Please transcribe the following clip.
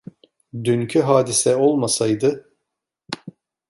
Dünkü hadise olmasaydı.